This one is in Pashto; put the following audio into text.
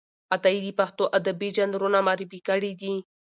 عطايي د پښتو ادبي ژانرونه معرفي کړي دي.